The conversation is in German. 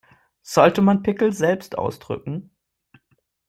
Sollte man Pickel selbst ausdrücken?